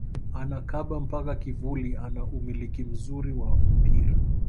Anakaba mpaka kivuli ana umiliki mzuri wa mpira